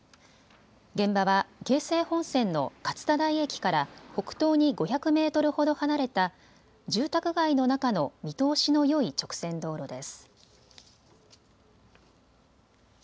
現場は京成本線の勝田台駅から北東に５００メートルほど離れた住宅街の中の見通しのよい直線道路です。